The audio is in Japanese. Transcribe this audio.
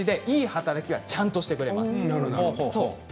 働きはちゃんとしてくれます。